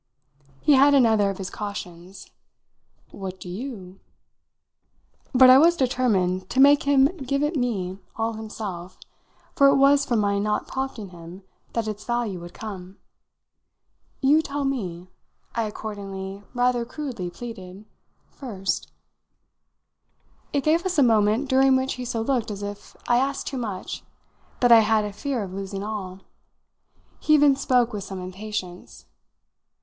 He had another of his cautions. "What do you ?" But I was determined to make him give it me all himself, for it was from my not prompting him that its value would come. "You tell me," I accordingly rather crudely pleaded, "first." It gave us a moment during which he so looked as if I asked too much, that I had a fear of losing all. He even spoke with some impatience.